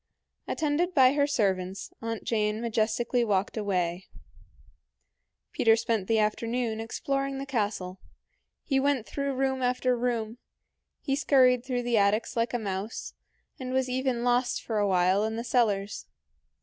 Attended by her servants, Aunt Jane majestically walked away. Peter spent the afternoon exploring the castle. He went through room after room; he scurried through the attics like a mouse, and was even lost for a while in the cellars.